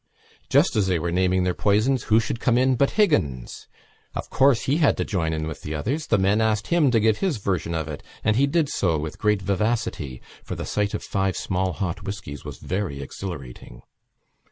Just as they were naming their poisons who should come in but Higgins! Of course he had to join in with the others. The men asked him to give his version of it, and he did so with great vivacity for the sight of five small hot whiskies was very exhilarating.